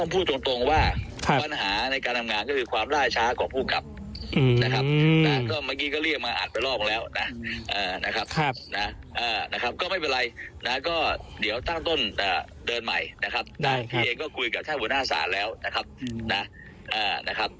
เพราะฉะนั้นเดี๋ยวก็จะไล่ทั้งหมดนะครับ